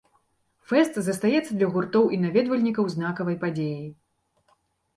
Фэст застаецца для гуртоў і наведвальнікаў знакавай падзеяй.